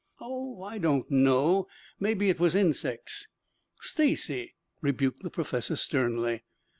"Oh, I don't know. Maybe it was insects." "Stacy!" rebuked the professor sternly.